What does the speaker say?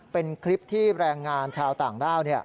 เป็นคลิปที่แรงงานชาวต่างด้าว